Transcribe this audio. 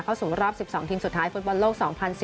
เข้าสู่รอบ๑๒ทีมสุดท้ายฟุตบอลโลก๒๐๑๙